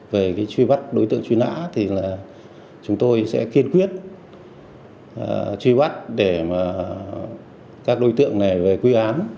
về truy bắt đối tượng truy nã thì chúng tôi sẽ kiên quyết truy bắt các đối tượng này về quy án